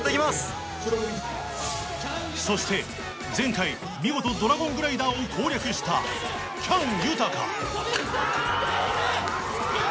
そして前回見事ドラゴングライダーを攻略した喜矢武豊